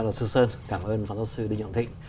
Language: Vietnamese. rất là cảm ơn luật sư sơn cảm ơn luật sư đinh động thị